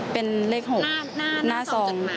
เป็นเลข๖หน้าซอง